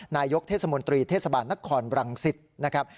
นายกเทศมนตรีเทศบาลนครรังสิตนะครับ